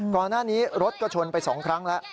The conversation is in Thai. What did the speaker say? ก่อนหน้านี้รถก็ชนไป๒ครั้งแล้ว